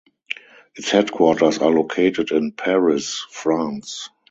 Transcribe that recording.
Its headquarters are located in Paris, France.